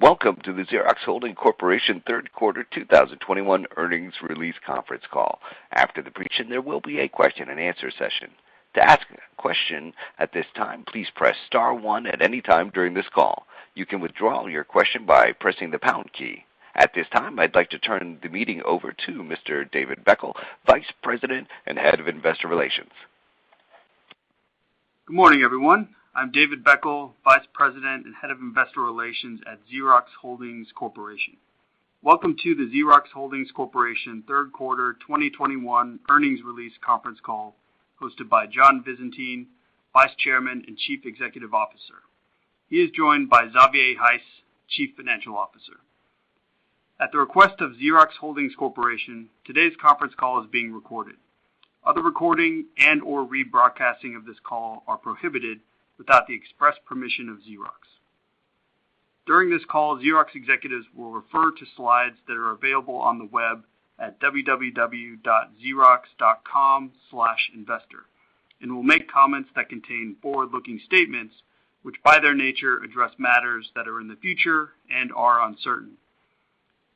Welcome to the Xerox Holdings Corporation third quarter 2021 earnings release conference call. After the briefing, there will be a question-and-answer session. To ask a question at this time, please press star one at any time during this call. You can withdraw your question by pressing the pound key. At this time, I'd like to turn the meeting over to Mr. David Beckel, Vice President and Head of Investor Relations. Good morning, everyone. I'm David Beckel, Vice President and Head of Investor Relations at Xerox Holdings Corporation. Welcome to the Xerox Holdings Corporation third quarter 2021 earnings release conference call hosted by John Visentin, Vice Chairman and Chief Executive Officer. He is joined by Xavier Heiss, Chief Financial Officer. At the request of Xerox Holdings Corporation, today's conference call is being recorded. Other recording and/or rebroadcasting of this call are prohibited without the express permission of Xerox. During this call, Xerox executives will refer to slides that are available on the web at www.xerox.com/investor, and will make comments that contain forward-looking statements, which, by their nature, address matters that are in the future and are uncertain.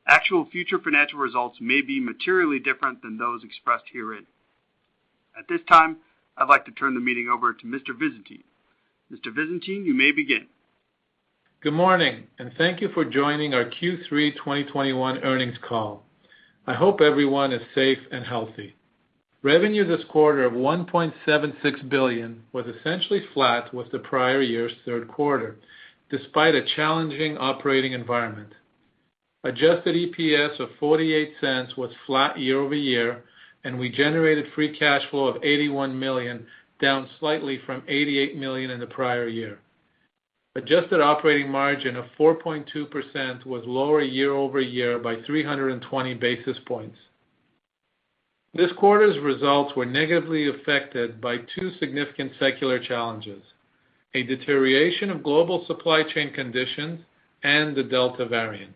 Actual future financial results may be materially different than those expressed herein. At this time, I'd like to turn the meeting over to Mr. Visentin. Mr. Visentin, you may begin. Good morning and thank you for joining our Q3 2021 earnings call. I hope everyone is safe and healthy. Revenue this quarter of $1.76 billion was essentially flat with the prior year's third quarter, despite a challenging operating environment. Adjusted EPS of $0.48 was flat year-over-year, and we generated free cash flow of $81 million, down slightly from $88 million in the prior year. Adjusted operating margin of 4.2% was lower year-over-year by 320 basis points. This quarter's results were negatively affected by two significant secular challenges, a deterioration of global supply chain conditions and the Delta variant.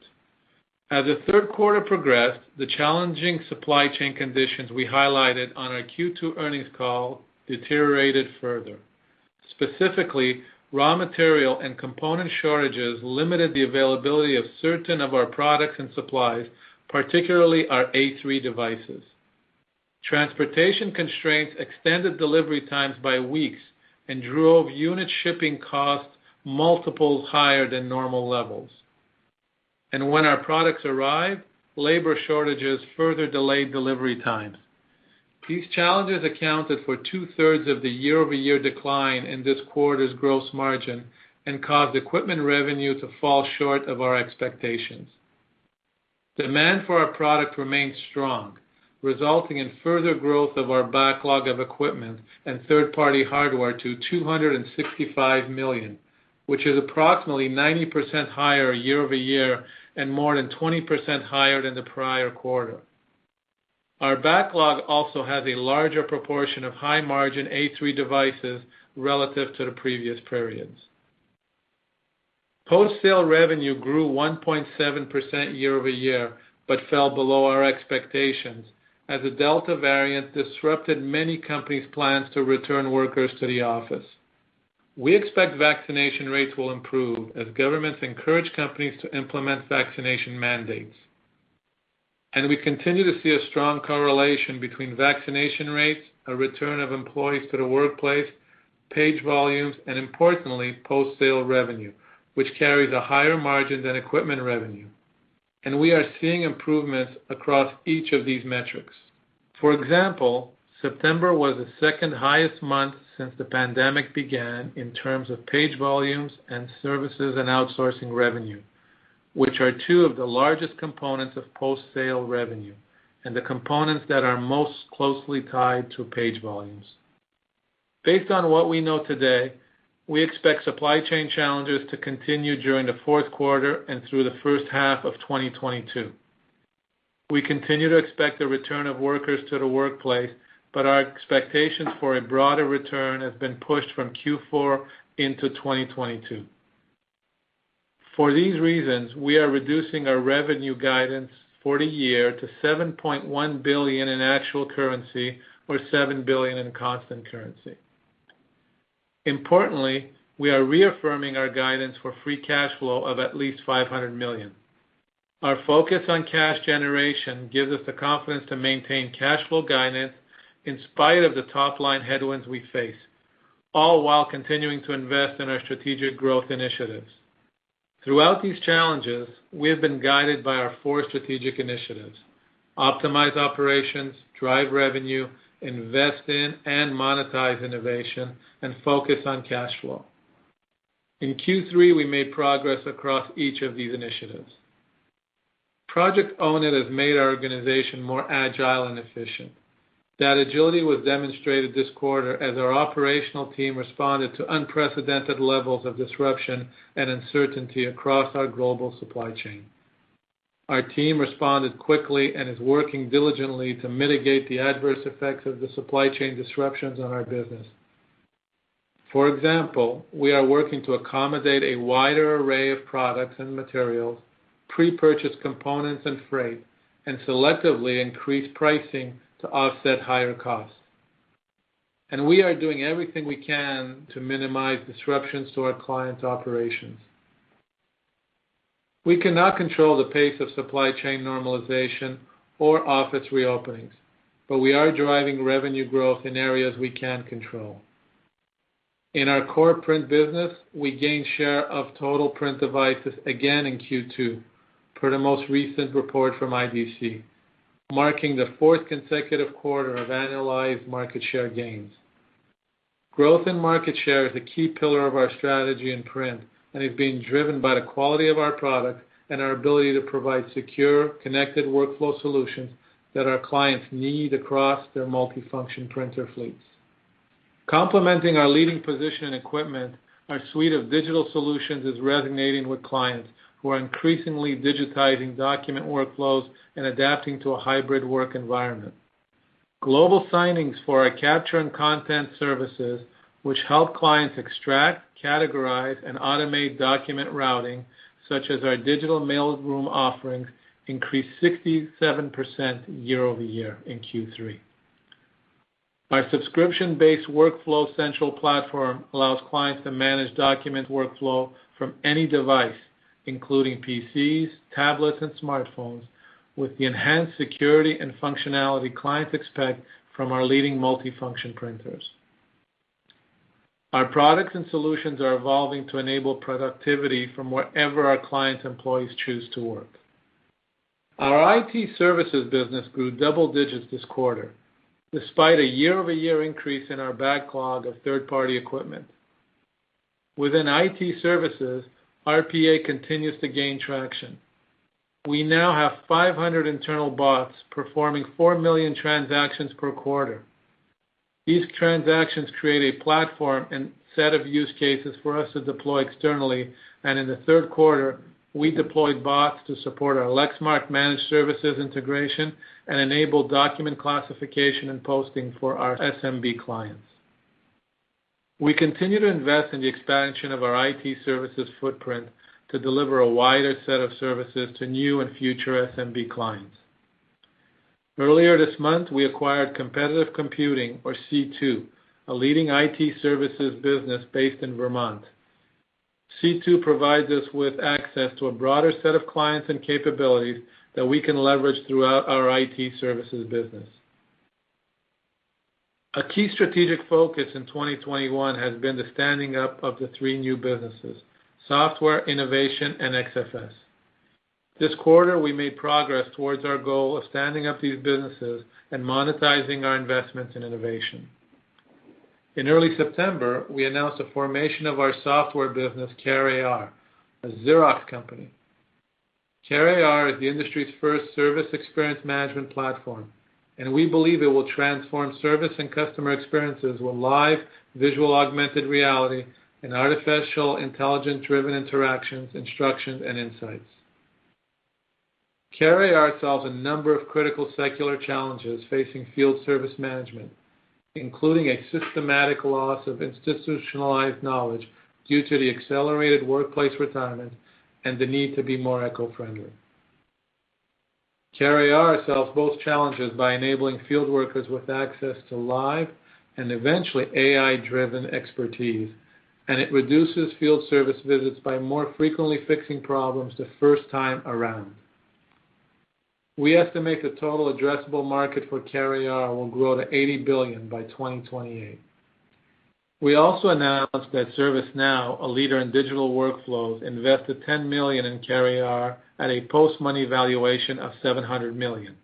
As the third quarter progressed, the challenging supply chain conditions we highlighted on our Q2 earnings call deteriorated further. Specifically, raw material and component shortages limited the availability of certain of our products and supplies, particularly our A3 devices. Transportation constraints extended delivery times by weeks and drove unit shipping costs multiples higher than normal levels. When our products arrived, labor shortages further delayed delivery times. These challenges accounted for 2/3 of the year-over-year decline in this quarter's gross margin and caused equipment revenue to fall short of our expectations. Demand for our product remained strong, resulting in further growth of our backlog of equipment and third-party hardware to $265 million, which is approximately 90% higher year-over-year and more than 20% higher than the prior quarter. Our backlog also has a larger proportion of high-margin A3 devices relative to the previous periods. Post-sale revenue grew 1.7% year-over-year but fell below our expectations as the Delta variant disrupted many companies' plans to return workers to the office. We expect vaccination rates will improve as governments encourage companies to implement vaccination mandates. We continue to see a strong correlation between vaccination rates, a return of employees to the workplace, page volumes, and importantly, post-sale revenue, which carries a higher margin than equipment revenue. We are seeing improvements across each of these metrics. For example, September was the second highest month since the pandemic began in terms of page volumes and services and outsourcing revenue, which are two of the largest components of post-sale revenue and the components that are most closely tied to page volumes. Based on what we know today, we expect supply chain challenges to continue during the fourth quarter and through the first half of 2022. We continue to expect a return of workers to the workplace, but our expectations for a broader return have been pushed from Q4 into 2022. For these reasons, we are reducing our revenue guidance for the year to $7.1 billion in actual currency or $7 billion in constant currency. Importantly, we are reaffirming our guidance for free cash flow of at least $500 million. Our focus on cash generation gives us the confidence to maintain cash flow guidance in spite of the top-line headwinds we face, all while continuing to invest in our strategic growth initiatives. Throughout these challenges, we have been guided by our four strategic initiatives. Optimize operations, drive revenue, invest in and monetize innovation, and focus on cash flow. In Q3, we made progress across each of these initiatives. Project Own It has made our organization more agile and efficient. That agility was demonstrated this quarter as our operational team responded to unprecedented levels of disruption and uncertainty across our global supply chain. Our team responded quickly and is working diligently to mitigate the adverse effects of the supply chain disruptions on our business. For example, we are working to accommodate a wider array of products and materials, pre-purchase components and freight, and selectively increase pricing to offset higher costs. We are doing everything we can to minimize disruptions to our clients' operations. We cannot control the pace of supply chain normalization or office reopenings, but we are driving revenue growth in areas we can control. In our core print business, we gained share of total print devices again in Q2 per the most recent report from IDC, marking the fourth consecutive quarter of analyzed market share gains. Growth in market share is a key pillar of our strategy in print, and is being driven by the quality of our product and our ability to provide secure, connected workflow solutions that our clients need across their multifunction printer fleets. Complementing our leading position in equipment, our suite of digital solutions is resonating with clients who are increasingly digitizing document workflows and adapting to a hybrid work environment. Global signings for our capture and content services, which help clients extract, categorize, and automate document routing, such as our digital mailroom offerings, increased 67% year-over-year in Q3. Our subscription-based Workflow Central platform allows clients to manage document workflow from any device, including PCs, tablets, and smartphones, with the enhanced security and functionality clients expect from our leading multifunction printers. Our products and solutions are evolving to enable productivity from wherever our clients' employees choose to work. Our IT services business grew double digits this quarter, despite a year-over-year increase in our backlog of third-party equipment. Within IT services, RPA continues to gain traction. We now have 500 internal bots performing 4 million transactions per quarter. These transactions create a platform and set of use cases for us to deploy externally, and in the third quarter, we deployed bots to support our Lexmark Managed Services integration and enabled document classification and posting for our SMB clients. We continue to invest in the expansion of our IT services footprint to deliver a wider set of services to new and future SMB clients. Earlier this month, we acquired Competitive Computing, or C2, a leading IT services business based in Vermont. C2 provides us with access to a broader set of clients and capabilities that we can leverage throughout our IT services business. A key strategic focus in 2021 has been the standing up of the three new businesses, Software, Innovation, and XFS. This quarter, we made progress towards our goal of standing up these businesses and monetizing our investments in innovation. In early September, we announced the formation of our Software business, CareAR, a Xerox company. CareAR is the industry's first service experience management platform, and we believe it will transform service and customer experiences with live visual augmented reality and artificial intelligence-driven interactions, instructions, and insights. CareAR solves a number of critical secular challenges facing field service management, including a systematic loss of institutionalized knowledge due to the accelerated workplace retirement and the need to be more eco-friendly. CareAR solves both challenges by enabling field workers with access to live and eventually AI-driven expertise, and it reduces field service visits by more frequently fixing problems the first time around. We estimate the total addressable market for CareAR will grow to $80 billion by 2028. We also announced that ServiceNow, a leader in digital workflows, invested $10 million in CareAR at a post-money valuation of $700 million.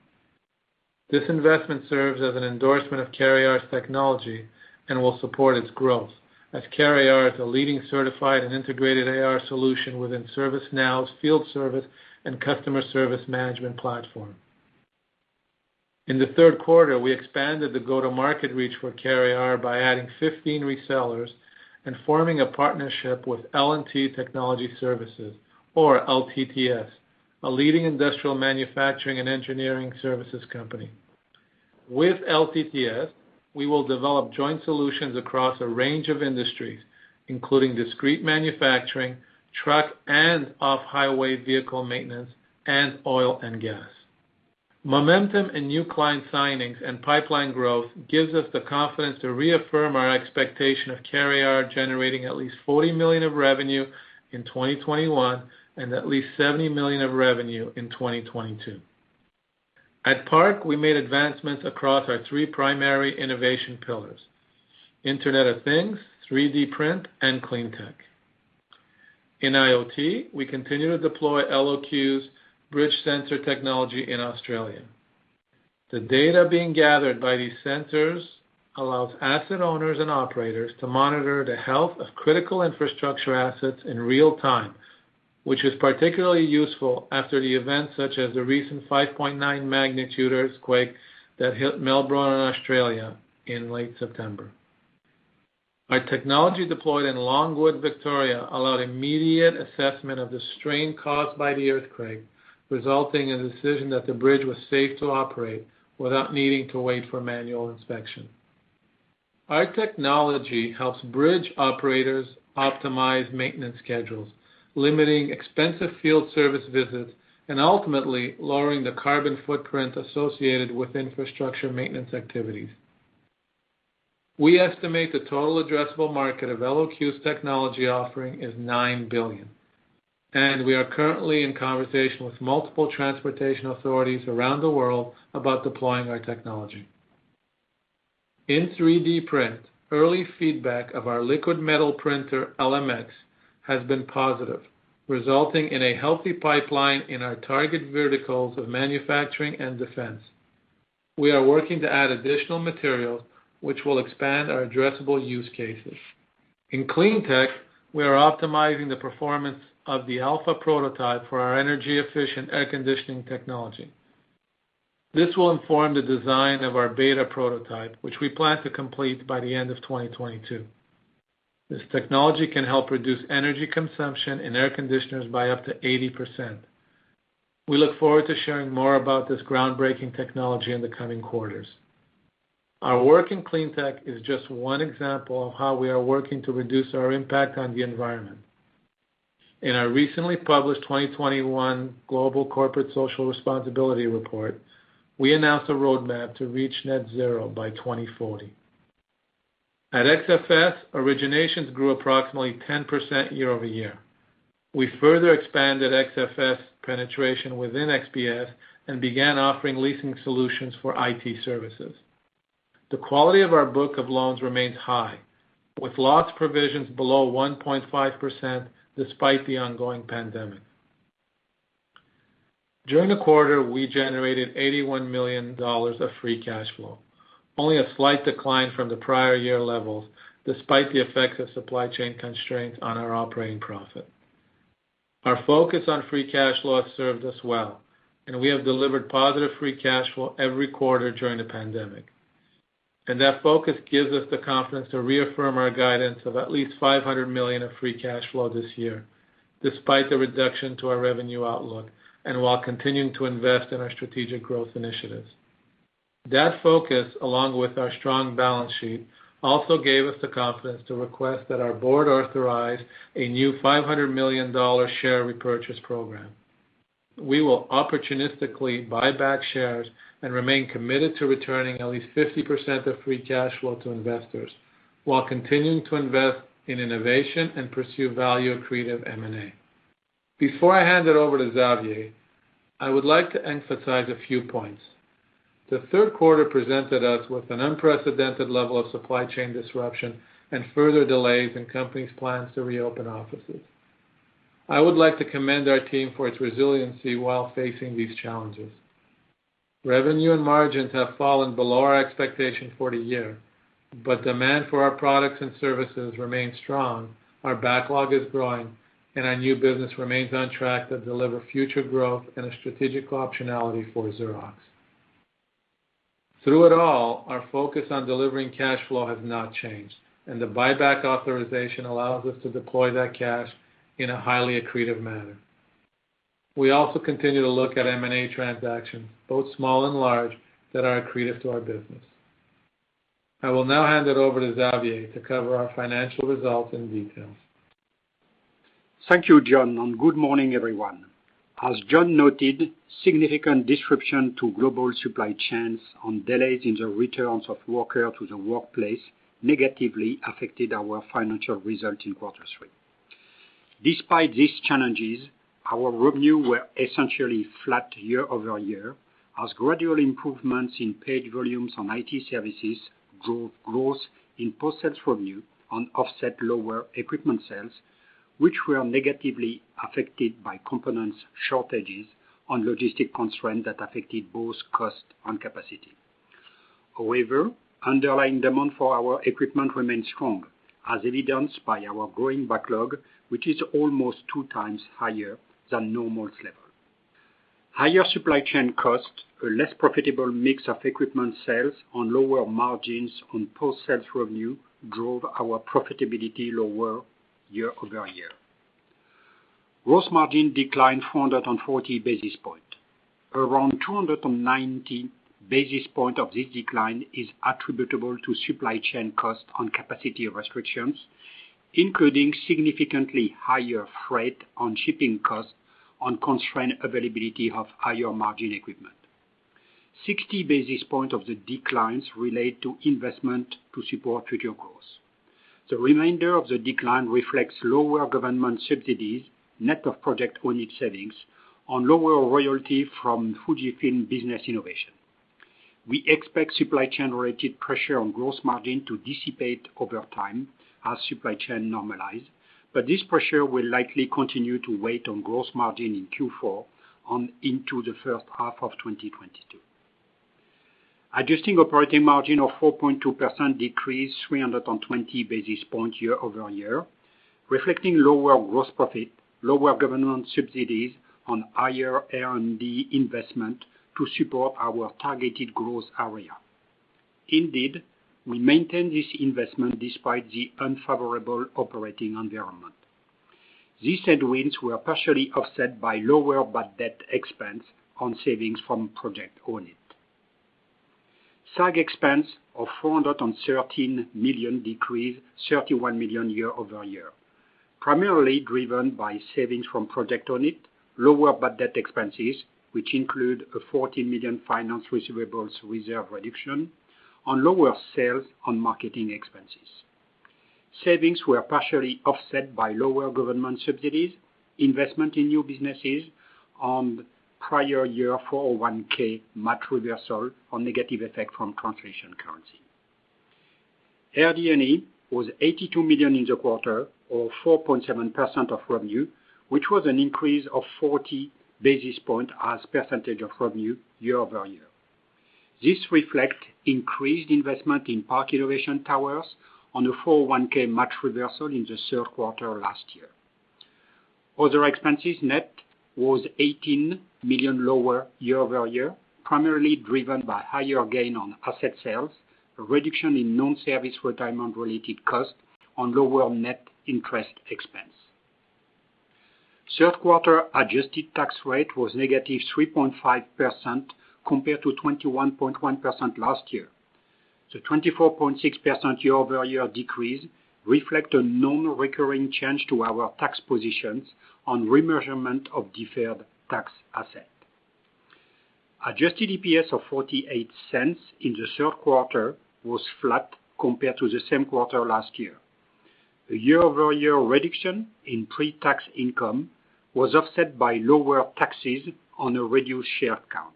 This investment serves as an endorsement of CareAR's technology and will support its growth, as CareAR is a leading certified and integrated AR solution within ServiceNow's field service and customer service management platform. In the third quarter, we expanded the go-to-market reach for CareAR by adding 15 resellers and forming a partnership with L&T Technology Services, or LTTS, a leading industrial manufacturing and engineering services company. With LTTS, we will develop joint solutions across a range of industries, including discrete manufacturing, truck and off-highway vehicle maintenance, and oil and gas. Momentum in new client signings and pipeline growth gives us the confidence to reaffirm our expectation of CareAR generating at least $40 million of revenue in 2021 and at least $70 million of revenue in 2022. At PARC, we made advancements across our three primary innovation pillars, Internet of Things, 3D printing, and clean tech. In IoT, we continue to deploy Eloque's bridge sensor technology in Australia. The data being gathered by these sensors allows asset owners and operators to monitor the health of critical infrastructure assets in real time, which is particularly useful after events such as the recent 5.9-magnitude earthquake that hit Melbourne, Australia in late September. Our technology deployed in Longwood, Victoria allowed immediate assessment of the strain caused by the earthquake, resulting in a decision that the bridge was safe to operate without needing to wait for manual inspection. Our technology helps bridge operators optimize maintenance schedules, limiting expensive field service visits and ultimately lowering the carbon footprint associated with infrastructure maintenance activities. We estimate the total addressable market of Eloque's technology offering is $9 billion, and we are currently in conversation with multiple transportation authorities around the world about deploying our technology. In 3D printing, early feedback of our liquid metal printer, ElemX, has been positive, resulting in a healthy pipeline in our target verticals of manufacturing and defense. We are working to add additional materials which will expand our addressable use cases. In clean tech, we are optimizing the performance of the alpha prototype for our energy-efficient air conditioning technology. This will inform the design of our beta prototype, which we plan to complete by the end of 2022. This technology can help reduce energy consumption in air conditioners by up to 80%. We look forward to sharing more about this groundbreaking technology in the coming quarters. Our work in clean tech is just one example of how we are working to reduce our impact on the environment. In our recently published 2021 Global Corporate Social Responsibility Report, we announced a roadmap to reach net zero by 2040. At XFS, originations grew approximately 10% year-over-year. We further expanded XFS penetration within XBS and began offering leasing solutions for IT services. The quality of our book of loans remains high, with loss provisions below 1.5% despite the ongoing pandemic. During the quarter, we generated $81 million of free cash flow, only a slight decline from the prior year levels, despite the effects of supply chain constraints on our operating profit. Our focus on free cash flow has served us well, and we have delivered positive free cash flow every quarter during the pandemic. That focus gives us the confidence to reaffirm our guidance of at least $500 million of free cash flow this year, despite the reduction to our revenue outlook and while continuing to invest in our strategic growth initiatives. That focus, along with our strong balance sheet, also gave us the confidence to request that our board authorize a new $500 million share repurchase program. We will opportunistically buy back shares and remain committed to returning at least 50% of free cash flow to investors while continuing to invest in innovation and pursue value-accretive M&A. Before I hand it over to Xavier, I would like to emphasize a few points. The third quarter presented us with an unprecedented level of supply chain disruption and further delays in companies' plans to reopen offices. I would like to commend our team for its resiliency while facing these challenges. Revenue and margins have fallen below our expectations for the year, but demand for our products and services remains strong, our backlog is growing, and our new business remains on track to deliver future growth and a strategic optionality for Xerox. Through it all, our focus on delivering cash flow has not changed, and the buyback authorization allows us to deploy that cash in a highly accretive manner. We also continue to look at M&A transactions, both small and large, that are accretive to our business. I will now hand it over to Xavier to cover our financial results in detail. Thank you, John, and good morning, everyone. As John noted, significant disruption to global supply chains and delays in the returns of workers to the workplace negatively affected our financial results in quarter three. Despite these challenges, our revenue were essentially flat year-over-year as gradual improvements in paid volumes in IT services drove growth in post-sales revenue which offset lower equipment sales, which were negatively affected by component shortages and logistic constraints that affected both cost and capacity. However, underlying demand for our equipment remains strong, as evidenced by our growing backlog, which is almost two times higher than normal level. Higher supply chain costs, a less profitable mix of equipment sales and lower margins on post-sales revenue drove our profitability lower year-over-year. Gross margin declined 440 basis points. Around 290 basis points of this decline is attributable to supply chain costs and capacity restrictions, including significantly higher freight and shipping costs, and constrained availability of higher margin equipment. 60 basis points of the declines relate to investment to support future growth. The remainder of the decline reflects lower government subsidies, net of Project Own It savings and lower royalty from FUJIFILM Business Innovation. We expect supply chain-related pressure on gross margin to dissipate over time as supply chains normalize, but this pressure will likely continue to weigh on gross margin in Q4 and into the first half of 2022. Adjusted operating margin of 4.2% decreased 320 basis points year-over-year, reflecting lower gross profit, lower government subsidies, and higher R&D investment to support our targeted growth area. Indeed, we maintain this investment despite the unfavorable operating environment. These headwinds were partially offset by lower bad debt expense and savings from Project Own It. SG&A expense of $413 million decreased $31 million year-over-year. Primarily driven by savings from Project Own It, lower bad debt expenses, which include a $40 million finance receivables reserve reduction, and lower sales and marketing expenses. Savings were partially offset by lower government subsidies, investment in new businesses and prior year 401(k) match reversal and negative effect from translation currency. RD&E was $82 million in the quarter or 4.7% of revenue, which was an increase of 40 basis points as percentage of revenue year-over-year. This reflects increased investment in PARC innovation pillars and a 401(k) match reversal in the third quarter last year. Other expenses net was $18 million lower year-over-year, primarily driven by higher gain on asset sales, a reduction in non-service retirement-related costs, and lower net interest expense. Third quarter adjusted tax rate was -3.5% compared to 21.1% last year. The 24.6% year-over-year decrease reflect a non-recurring change to our tax positions on remeasurement of deferred tax asset. Adjusted EPS of $0.48 in the third quarter was flat compared to the same quarter last year. The year-over-year reduction in pre-tax income was offset by lower taxes on a reduced share count.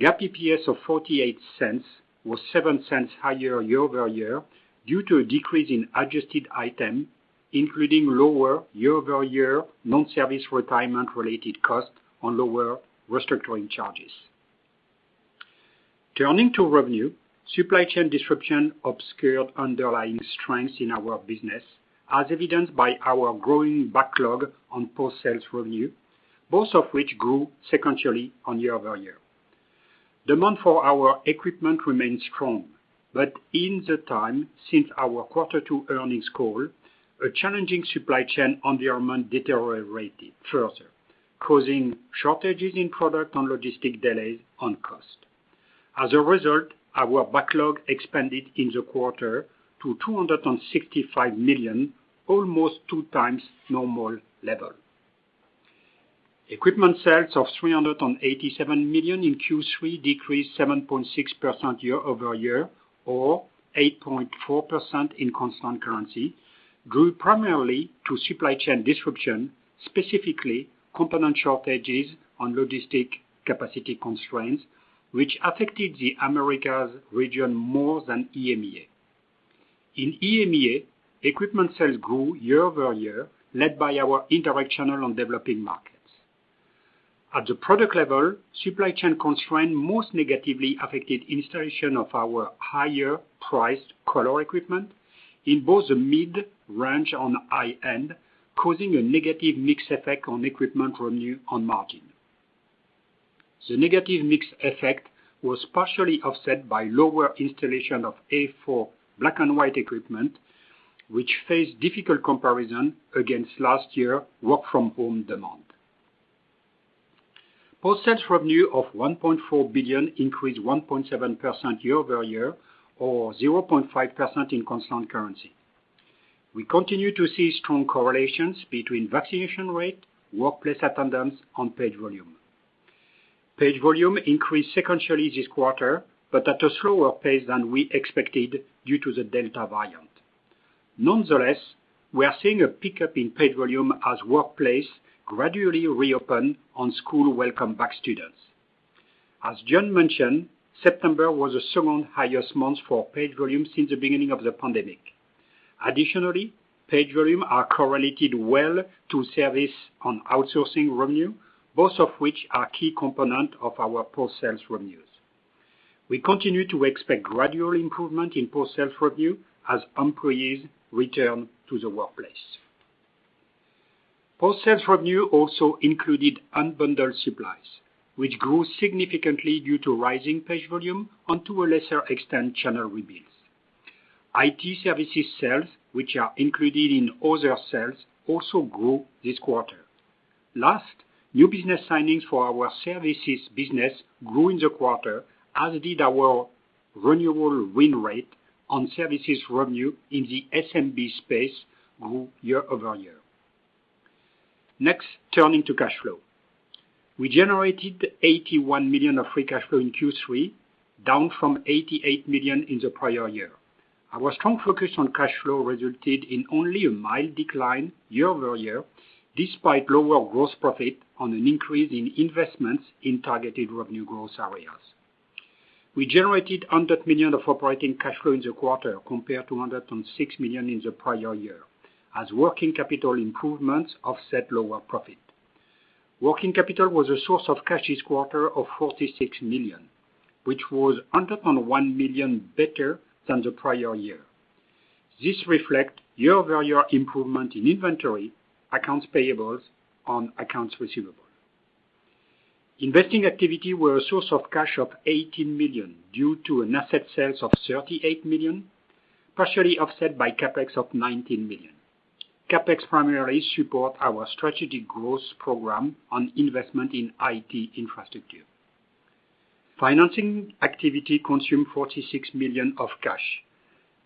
GAAP EPS of $0.48 was $0.07 higher year-over-year due to a decrease in adjusted item, including lower year-over-year non-service retirement-related costs on lower restructuring charges. Turning to revenue, supply chain disruption obscured underlying strengths in our business, as evidenced by our growing backlog and post-sales revenue, both of which grew sequentially and year-over-year. Demand for our equipment remains strong, but in the time since our quarter two earnings call, a challenging supply chain environment deteriorated further, causing shortages in products and logistics delays and costs. As a result, our backlog expanded in the quarter to $265 million, almost 2x normal level. Equipment sales of $387 million in Q3 decreased 7.6% year-over-year or 8.4% in constant currency, due primarily to supply chain disruption, specifically component shortages and logistics capacity constraints, which affected the Americas region more than EMEA. In EMEA, equipment sales grew year-over-year, led by our indirect channel and developing markets. At the product level, supply chain constraint most negatively affected installation of our higher-priced color equipment in both the mid-range and high end, causing a negative mix effect on equipment revenue on margin. The negative mix effect was partially offset by lower installation of A4 black and white equipment, which faced difficult comparison against last year work-from-home demand. Post-sales revenue of $1.4 billion increased 1.7% year-over-year or 0.5% in constant currency. We continue to see strong correlations between vaccination rate, workplace attendance, and page volume. Page volume increased sequentially this quarter, but at a slower pace than we expected due to the Delta variant. Nonetheless, we are seeing a pickup in page volume as workplace gradually reopen and school welcome back students. As John mentioned, September was the second highest month for page volume since the beginning of the pandemic. Page volume is correlated well to service and outsourcing revenue, both of which are key components of our post-sales revenues. We continue to expect gradual improvement in post-sales revenue as employees return to the workplace. Post-sales revenue also included unbundled supplies, which grew significantly due to rising page volume and to a lesser extent, channel rebuilds. IT services sales, which are included in other sales, also grew this quarter. Last, new business signings for our services business grew in the quarter, as did our renewable win rate on services revenue in the SMB space year-over-year. Next, turning to cash flow. We generated $81 million of free cash flow in Q3, down from $88 million in the prior year. Our strong focus on cash flow resulted in only a mild decline year-over-year, despite lower gross profit on an increase in investments in targeted revenue growth areas. We generated $100 million of operating cash flow in the quarter, compared to $106 million in the prior year, as working capital improvements offset lower profit. Working capital was a source of cash this quarter of $46 million, which was $101 million better than the prior year. This reflects year-over-year improvement in inventory, accounts payables, and accounts receivable. Investing activity were a source of cash of $18 million due to an asset sale of $38 million, partially offset by CapEx of $19 million. CapEx primarily supports our strategic growth program on investment in IT infrastructure. Financing activity consumed $46 million of cash.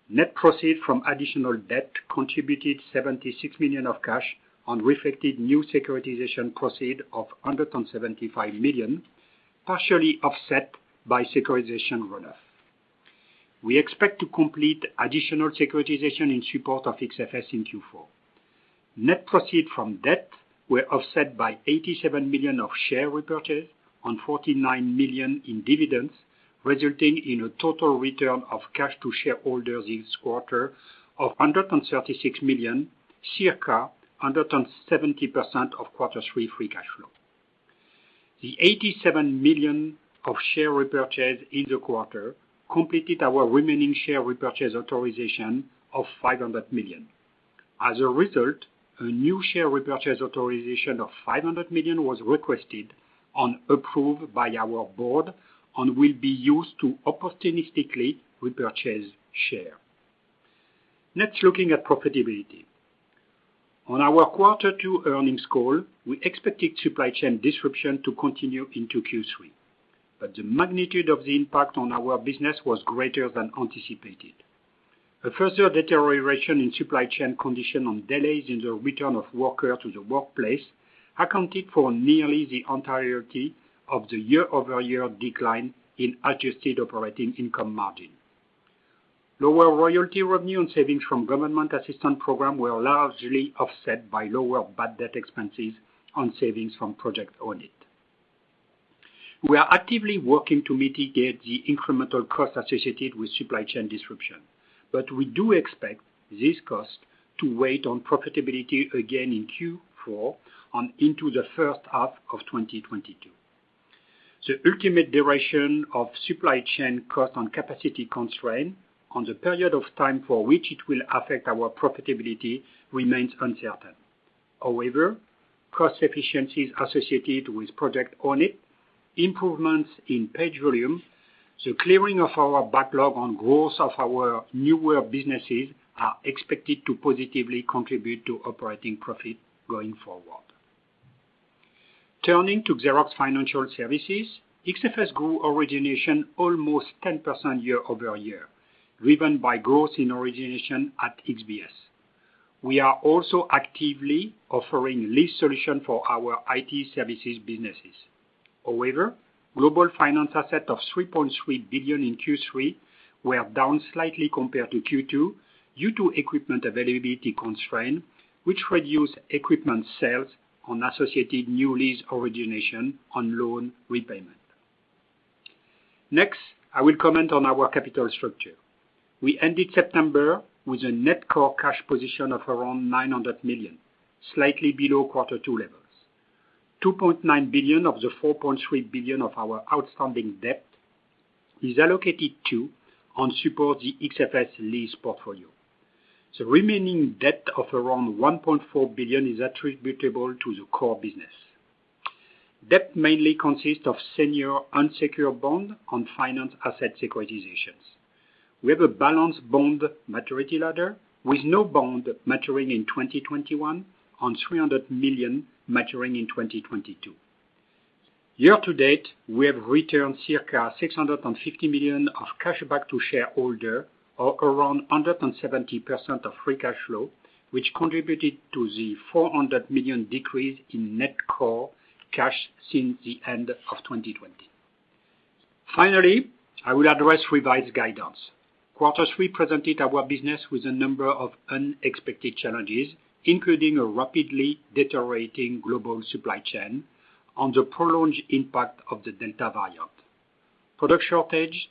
Net proceeds from additional debt contributed $76 million of cash and reflected new securitization proceeds of $175 million, partially offset by securitization runoff. We expect to complete additional securitization in support of XFS in Q4. Net proceeds from debt were offset by $87 million in share repurchases and $49 million in dividends, resulting in a total return of cash to shareholders this quarter of $136 million, circa 170% of Q3 free cash flow. The $87 million in share repurchases in the quarter completed our remaining share repurchase authorization of $500 million. As a result, a new share repurchase authorization of $500 million was requested and approved by our board and will be used to opportunistically repurchase shares. Next, looking at profitability. On our Q2 earnings call, we expected supply chain disruption to continue into Q3, but the magnitude of the impact on our business was greater than anticipated. A further deterioration in supply chain condition and delays in the return of workers to the workplace accounted for nearly the entirety of the year-over-year decline in adjusted operating income margin. Lower royalty revenue and savings from government assistance program were largely offset by lower bad debt expenses and savings from Project Own It. We are actively working to mitigate the incremental cost associated with supply chain disruption, but we do expect this cost to weigh on profitability again in Q4 and into the first half of 2022. The ultimate duration of supply chain cost and capacity constraint and the period of time for which it will affect our profitability remains uncertain. However, cost efficiencies associated with Project Own It, improvements in page volume, the clearing of our backlog on growth of our newer businesses are expected to positively contribute to operating profit going forward. Turning to Xerox Financial Services, XFS grew origination almost 10% year-over-year driven by gross origination at XBS. We are also actively offering lease solution for our IT services businesses. However, global finance assets of $3.3 billion in Q3 were down slightly compared to Q2 due to equipment availability constraint, which reduced equipment sales and associated new lease origination and loan repayment. Next, I will comment on our capital structure. We ended September with a net core cash position of around $900 million, slightly below Q2 levels. $2.9 billion of the $4.3 billion of our outstanding debt is allocated to and support the XFS lease portfolio. The remaining debt of around $1.4 billion is attributable to the core business. Debt mainly consists of senior unsecured bond and finance asset securitizations. We have a balanced bond maturity ladder with no bond maturing in 2021 and $300 million maturing in 2022. Year to date, we have returned circa $650 million of cash back to shareholder or around 170% of free cash flow, which contributed to the $400 million decrease in net core cash since the end of 2020. Finally, I will address revised guidance. Quarter three presented our business with a number of unexpected challenges, including a rapidly deteriorating global supply chain and the prolonged impact of the Delta variant. Product shortage,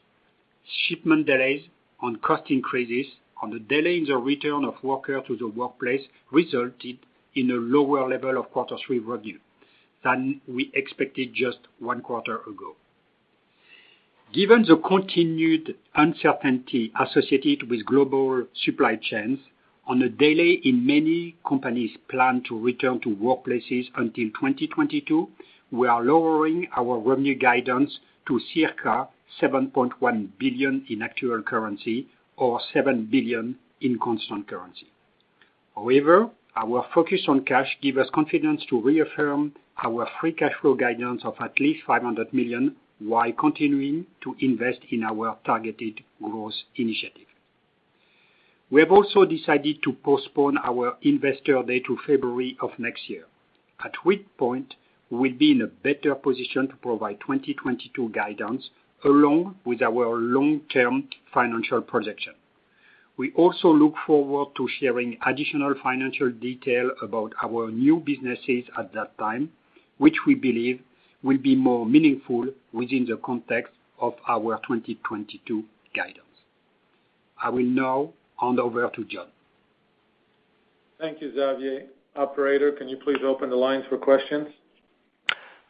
shipment delays and cost increases and the delay in the return of workers to the workplace resulted in a lower level of quarter three revenue than we expected just one quarter ago. Given the continued uncertainty associated with global supply chains and a delay in many companies' plan to return to workplaces until 2022, we are lowering our revenue guidance to circa $7.1 billion in actual currency or $7 billion in constant currency. However, our focus on cash gives us confidence to reaffirm our free cash flow guidance of at least $500 million while continuing to invest in our targeted growth initiative. We have also decided to postpone our Investor Day to February of next year, at which point we'll be in a better position to provide 2022 guidance along with our long-term financial projection. We also look forward to sharing additional financial detail about our new businesses at that time, which we believe will be more meaningful within the context of our 2022 guidance. I will now hand over to John. Thank you, Xavier. Operator, can you please open the lines for questions?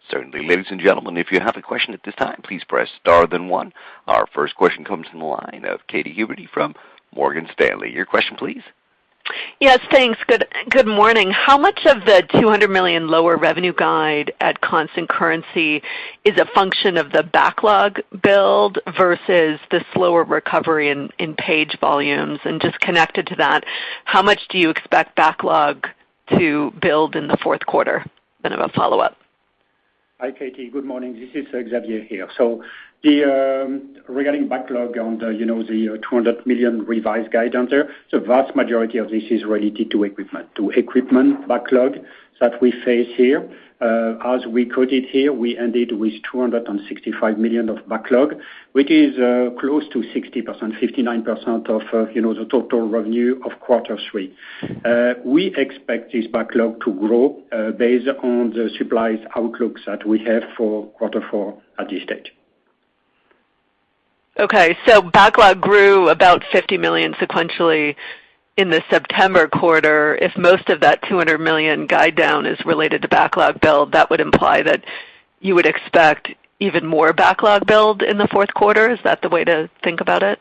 Certainly. Ladies and gentlemen, if you have a question at this time, please press star then one. Our first question comes from the line of Katy Huberty from Morgan Stanley. Your question please. Yes, thanks. Good morning. How much of the $200 million lower revenue guide at constant currency is a function of the backlog build versus the slower recovery in page volumes? And just connected to that, how much do you expect backlog to build in the fourth quarter? I have a follow-up. Hi, Katy. Good morning. This is Xavier here. Regarding backlog on the, you know, the $200 million revised guide down there, the vast majority of this is related to equipment backlog that we face here. As we quoted here, we ended with $265 million of backlog, which is close to 60%, 59% of, you know, the total revenue of quarter three. We expect this backlog to grow based on the supplies outlooks that we have for quarter four at this stage. Backlog grew about $50 million sequentially in the September quarter. If most of that $200 million guidance down is related to backlog build, that would imply that you would expect even more backlog build in the fourth quarter. Is that the way to think about it?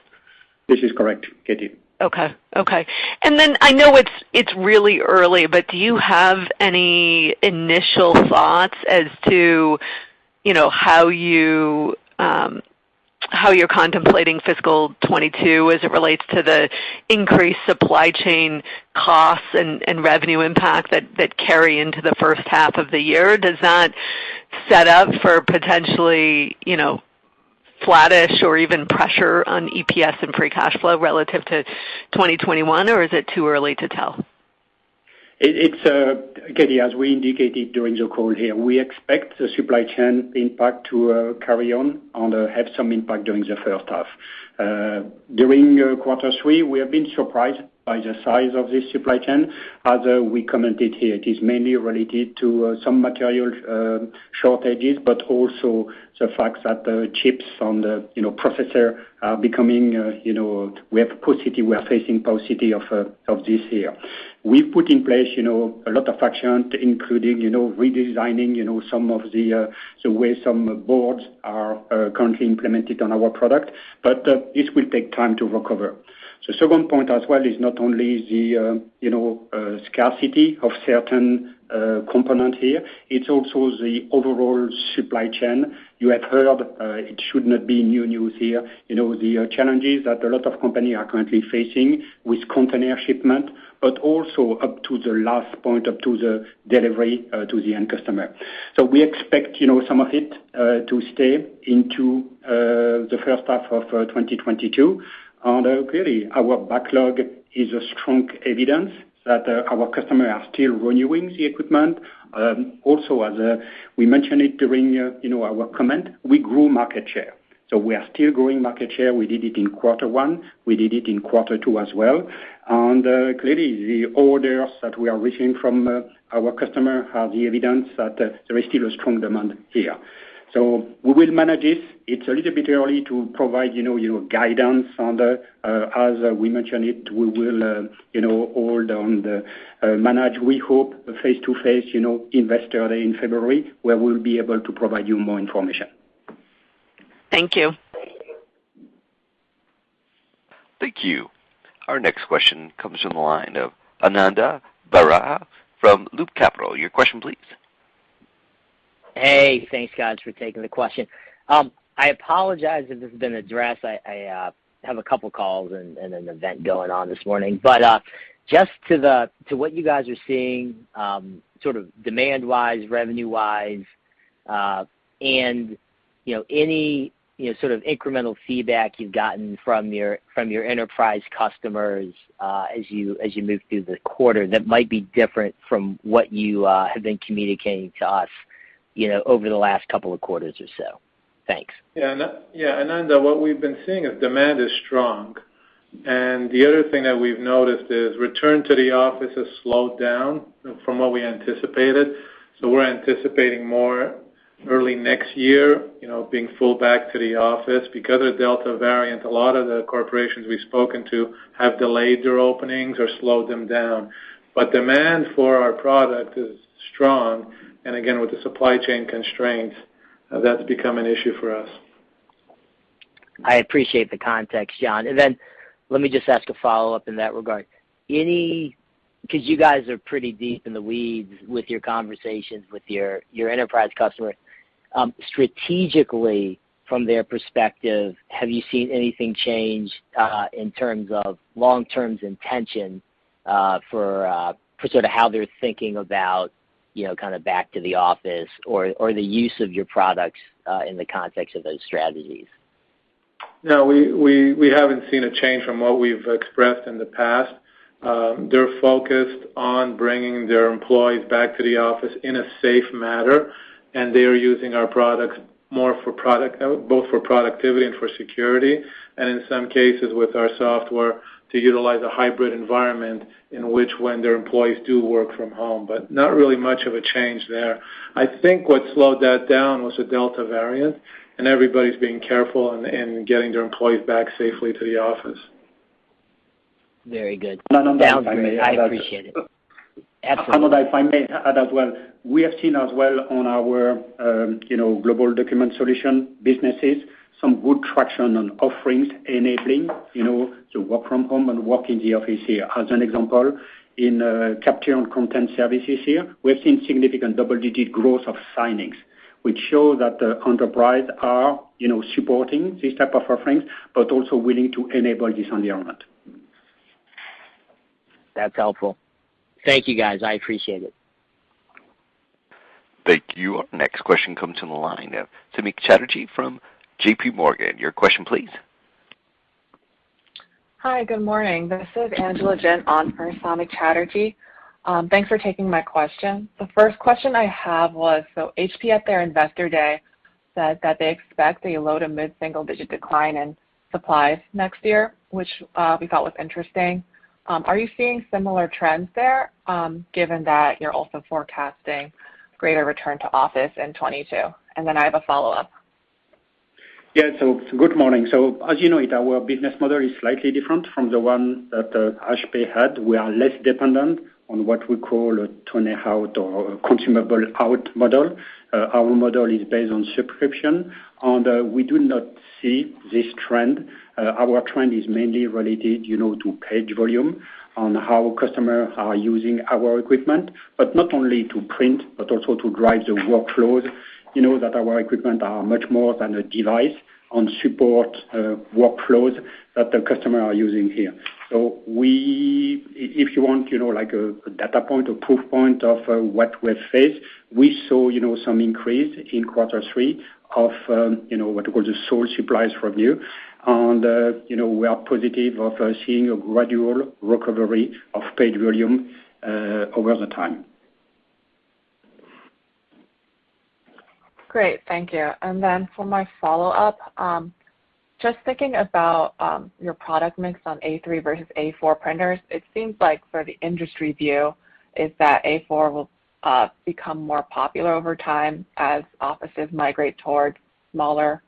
This is correct, Katy. Okay. I know it's really early, but do you have any initial thoughts as to, you know, how you're contemplating fiscal 2022 as it relates to the increased supply chain costs and revenue impact that carry into the first half of the year? Does that set up for potentially, you know, flattish or even pressure on EPS and free cash flow relative to 2021, or is it too early to tell? Katy, as we indicated during the call here, we expect the supply chain impact to carry on and have some impact during the first half. During quarter three, we have been surprised by the size of this supply chain. As we commented here, it is mainly related to some material shortages, but also the fact that the chips on the processor are becoming, you know, we have paucity, we are facing paucity of this year. We put in place, you know, a lot of action, including, you know, redesigning some of the way some boards are currently implemented on our product, but this will take time to recover. The second point as well is not only the, you know, scarcity of certain component here, it's also the overall supply chain. You have heard, it should not be new news here, you know, the challenges that a lot of company are currently facing with container shipment, but also up to the last point, up to the delivery to the end customer. We expect, you know, some of it to stay into the first half of 2022. Clearly, our backlog is strong evidence that our customer is still renewing the equipment. Also, we mentioned it during, you know, our comment, we grew market share. We are still growing market share. We did it in quarter one. We did it in quarter two as well. Clearly, the orders that we are receiving from, our customer are the evidence that, there is still a strong demand here. We will manage it. It's a little bit early to provide, you know, guidance on the. As we mentioned it, we will, you know, hold on the manage, we hope, face-to-face, you know, Investor Day in February, where we'll be able to provide you more information. Thank you. Thank you. Our next question comes from the line of Ananda Baruah from Loop Capital. Your question please. Hey, thanks, guys, for taking the question. I apologize if this has been addressed. I have a couple of calls and an event going on this morning. Just to what you guys are seeing, sort of demand-wise, revenue-wise, and, you know, any sort of incremental feedback you've gotten from your enterprise customers, as you move through the quarter that might be different from what you have been communicating to us, you know, over the last couple of quarters or so? Thanks. Yeah. Ananda, what we've been seeing is demand is strong. The other thing that we've noticed is return to the office has slowed down from what we anticipated, so we're anticipating more early next year, you know, being full back to the office. Because of the Delta variant, a lot of the corporations we've spoken to have delayed their openings or slowed them down. Demand for our product is strong. Again, with the supply chain constraints, that's become an issue for us. I appreciate the context, John. Then let me just ask a follow-up in that regard. 'Cause you guys are pretty deep in the weeds with your conversations with your enterprise customer. Strategically, from their perspective, have you seen anything change in terms of long-term intention for sort of how they're thinking about, you know, kinda back to the office or the use of your products in the context of those strategies? No, we haven't seen a change from what we've expressed in the past. They're focused on bringing their employees back to the office in a safe manner, and they're using our products more for both productivity and security, and in some cases with our software to utilize a hybrid environment in which when their employees do work from home, but not really much of a change there. I think what slowed that down was the Delta variant, and everybody's being careful in getting their employees back safely to the office. Very good. Ananda, if I may add. I appreciate it. Absolutely. Ananda, if I may add as well. We have seen as well on our, you know, global document solution businesses, some good traction on offerings enabling, you know, to work from home and work in the office here. As an example, in capture and content services here, we have seen significant double-digit growth of signings, which show that the enterprise are, you know, supporting this type of offerings, but also willing to enable this on their own. That's helpful. Thank you, guys. I appreciate it. Thank you. Our next question comes from the line of Samik Chatterjee from JPMorgan. Your question, please. Hi, good morning. This is Angela Jin on for Samik Chatterjee. Thanks for taking my question. The first question I have was, HP at their Investor Day said that they expect a low to mid-single digit decline in supplies next year, which, we thought was interesting. Are you seeing similar trends there, given that you're also forecasting greater return to office in 2022? And then I have a follow-up. Yeah. Good morning. As you know it, our business model is slightly different from the one that HP had. We are less dependent on what we call a toner out or consumable out model. Our model is based on subscription, and we do not see this trend. Our trend is mainly related, you know, to page volume on how customers are using our equipment, but not only to print but also to drive the workload, you know, that our equipment are much more than a device to support workloads that the customer are using here. If you want, you know, like a data point or proof point of what we have faced, we saw, you know, some increase in quarter three of what we call the sold supplies revenue. You know, we are positive of seeing a gradual recovery of paid volume over the time. Great. Thank you. For my follow-up, just thinking about your product mix on A3 versus A4 printers, it seems like the industry view is that A4 will become more popular over time as offices migrate towards smaller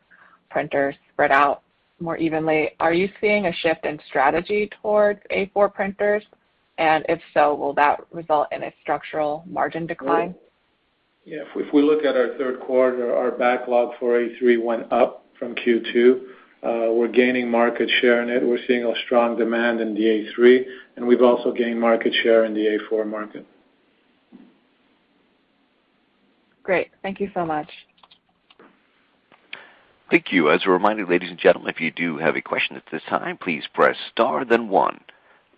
printers spread out more evenly. Are you seeing a shift in strategy towards A4 printers? And if so, will that result in a structural margin decline? Yeah. If we look at our third quarter, our backlog for A3 went up from Q2. We're gaining market share in it. We're seeing a strong demand in the A3, and we've also gained market share in the A4 market. Great. Thank you so much. Thank you. As a reminder, ladies and gentlemen, if you do have a question at this time, please press star then one.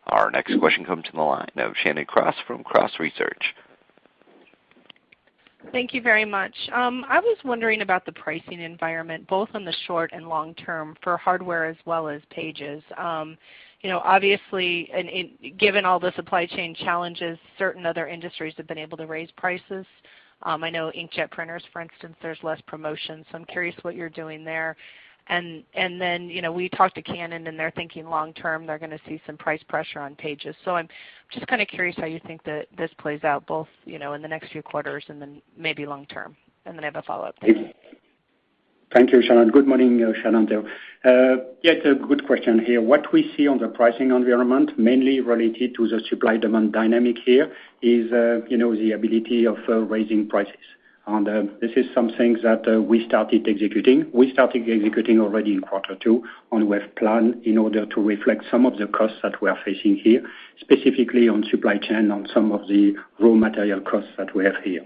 Our next question comes from the line of Shannon Cross from Cross Research. Thank you very much. I was wondering about the pricing environment, both in the short and long-term, for hardware as well as pages. You know, obviously, given all the supply chain challenges, certain other industries have been able to raise prices. I know inkjet printers, for instance, there's less promotions, so I'm curious what you're doing there. Then, you know, we talked to Canon, and they're thinking long term, they're gonna see some price pressure on pages. So I'm just kinda curious how you think that this plays out both, you know, in the next few quarters and then maybe long term. Then I have a follow-up. Thank you, Shannon. Good morning, Shannon. Yeah, it's a good question here. What we see on the pricing environment mainly related to the supply-demand dynamic here is, you know, the ability of raising prices. This is something that we started executing already in quarter two as we've planned in order to reflect some of the costs that we are facing here, specifically on supply chain on some of the raw material costs that we have here.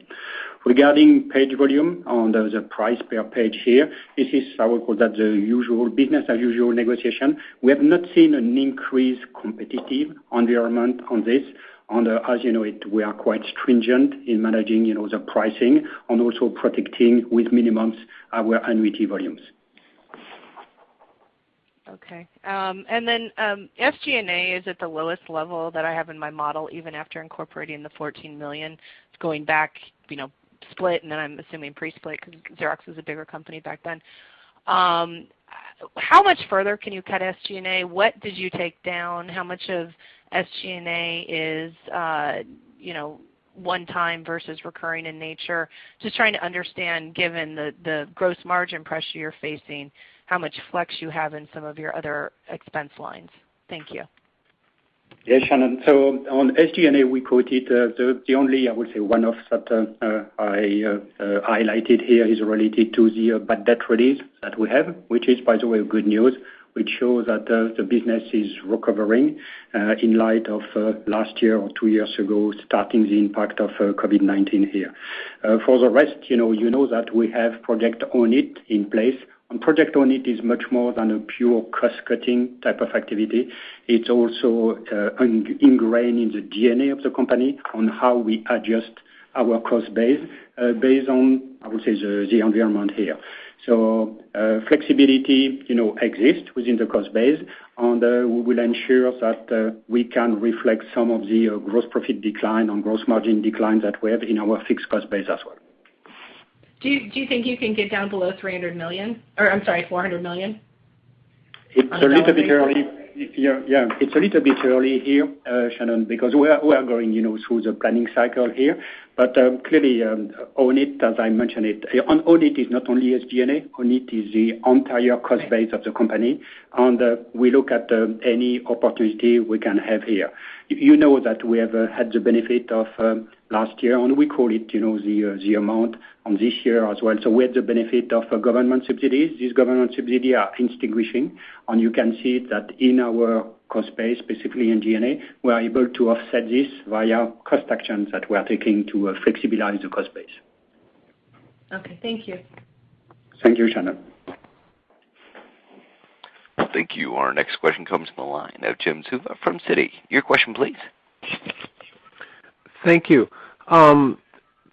Regarding page volume on the price per page here, this is how I put it, the usual business as usual negotiation. We have not seen an increased competitive environment on this. As you know, it, we are quite stringent in managing, you know, the pricing and also protecting with minimums our annuity volumes. Okay. SG&A is at the lowest level that I have in my model, even after incorporating the $14 million. It's going back, you know, split. Then I'm assuming pre-split because Xerox was a bigger company back then. How much further can you cut SG&A? What did you take down? How much of SG&A is, you know, one time versus recurring in nature? Just trying to understand, given the gross margin pressure you're facing, how much flex you have in some of your other expense lines? Thank you. Yeah, Shannon. On SG&A, we quote it, the only, I would say, one off that I highlighted here is related to the bad debt release that we have, which is, by the way, good news, which shows that the business is recovering in light of last year or two years ago, starting the impact of COVID-19 here. For the rest, you know that we have Project Own It in place. Project Own It is much more than a pure cost-cutting type of activity. It's also ingrained in the DNA of the company on how we adjust our cost base based on, I would say, the environment here. Flexibility, you know, exists within the cost base, and we will ensure that we can reflect some of the gross profit decline on gross margin decline that we have in our fixed cost base as well. Do you think you can get down below $300 million? Or I'm sorry, $400 million? It's a little bit early. Yeah, yeah, it's a little bit early here, Shannon, because we are going, you know, through the planning cycle here. Clearly, Project Own It, as I mentioned, Project Own It is not only SG&A. Project Own It is the entire cost base of the company, and we look at any opportunity we can have here. You know that we have had the benefit of last year, and we call it, you know, the amount in this year as well. We have the benefit of government subsidies. These government subsidies are extinguishing, and you can see that in our cost base, specifically in G&A, we are able to offset this via cost actions that we are taking to flexibilize the cost base. Okay. Thank you. Thank you, Shannon. Thank you. Our next question comes from the line of Jim Suva from Citi. Your question please. Thank you.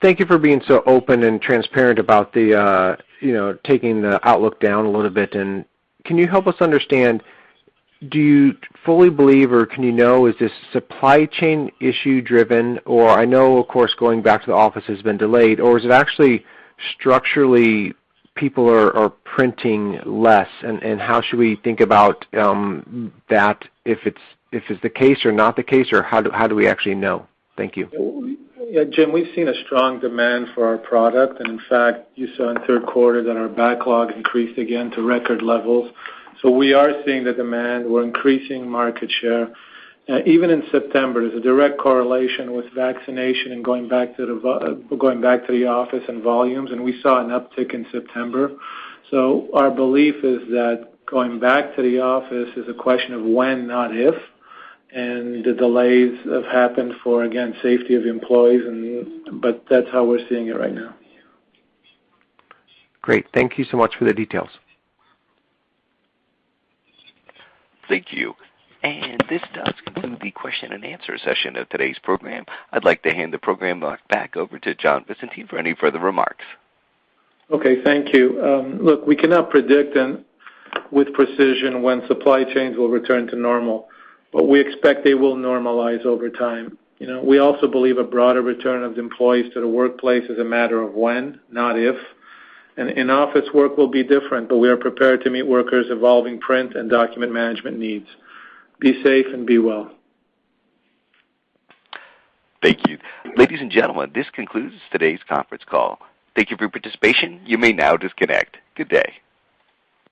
Thank you for being so open and transparent about the, you know, taking the outlook down a little bit. Can you help us understand, do you fully believe or can you know is this supply chain issue driven? Or I know, of course, going back to the office has been delayed, or is it actually structurally people are printing less? How should we think about that if it's, if it's the case or not the case, or how do we actually know? Thank you. Yeah, Jim, we've seen a strong demand for our product. In fact, you saw in the third quarter that our backlog increased again to record levels. We are seeing the demand. We're increasing market share. Even in September, there's a direct correlation with vaccination and going back to the office and volumes, and we saw an uptick in September. Our belief is that going back to the office is a question of when, not if, and the delays have happened for, again, safety of employees. But that's how we're seeing it right now. Great. Thank you so much for the details. Thank you. This does conclude the question-and-answer session of today's program. I'd like to hand the program back over to John Visentin for any further remarks. Okay, thank you. Look, we cannot predict with precision when supply chains will return to normal, but we expect they will normalize over time. You know, we also believe a broader return of employees to the workplace is a matter of when, not if. In-office work will be different, but we are prepared to meet workers' evolving print and document management needs. Be safe and be well. Thank you. Ladies and gentlemen, this concludes today's conference call. Thank you for your participation. You may now disconnect. Good day.